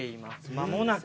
間もなく。